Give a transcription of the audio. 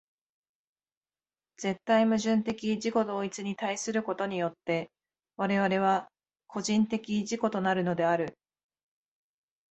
絶対矛盾的自己同一に対することによって我々は個人的自己となるのである。